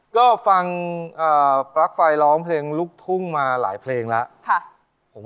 ก็ฟังปลั๊กไฟร้องเพลงลูกทุ่งมาหลายเพลงแล้ว